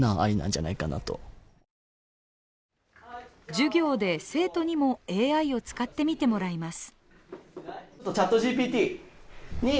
授業で生徒にもＡＩを使ってみてもらいます。